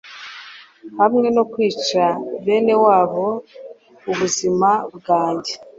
Hamwe no kwica benewabo ubuzima bwanjye